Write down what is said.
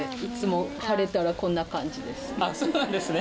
ああそうなんですね。